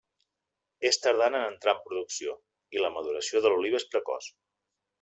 És tardana en entrar en producció i la maduració de l'oliva és precoç.